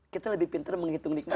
kita lebih pintar menghitung nikmat